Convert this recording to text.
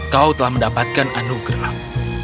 kau telah mendapatkan anugerah